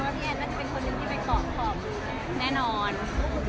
แสดงว่าพี่แอนน่าจะเป็นคนนึงที่ไม่คอบ